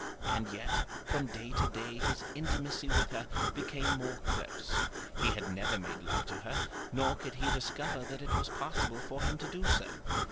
And yet from day to day his intimacy with her became more close. He had never made love to her, nor could he discover that it was possible for him to do so.